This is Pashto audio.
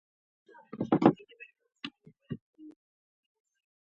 • د بام پر سر کښېنه او هوا خوند واخله.